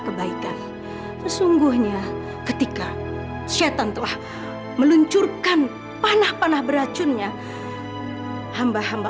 kebaikan sesungguhnya ketika setan telah meluncurkan panah panah beracunnya hamba hamba